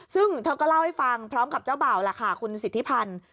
ซึ่งเธอก็เล่าให้ฟังพร้อมกับเจ้าบ่าวล่ะค่ะคุณสิทธิพันธ์